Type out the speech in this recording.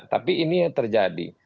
tapi ini yang terjadi